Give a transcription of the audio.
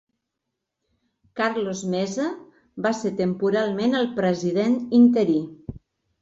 Carlos Mesa va ser temporalment el president interí.